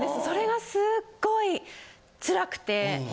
それがすっごいつらくて。